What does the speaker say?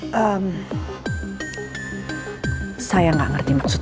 pertama kali aku melihatnya saya akan meminta pembahasan